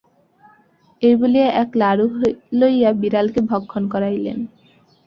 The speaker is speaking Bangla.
এই বলিয়া এক লাড়ু লইয়া বিড়ালকে ভক্ষণ করাইলেন।